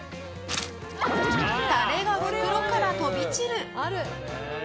タレが袋から飛び散る。